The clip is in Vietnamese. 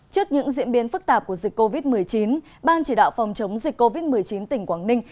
trước những diễn biến phức tạp của dịch covid một mươi chín ban chỉ đạo phòng chống dịch covid một mươi chín tỉnh quảng ninh